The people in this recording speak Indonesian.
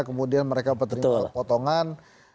kemudian mereka berterima potongan